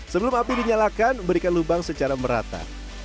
sebelum api dinyalakan berikan lubang secara merata